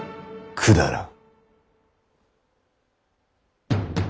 くだらん？